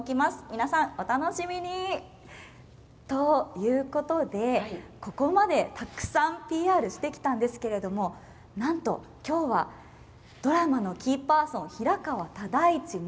皆さん、お楽しみに！ということで、ここまでたくさんＰＲしてきたんですがなんと、今日はドラマのキーパーソン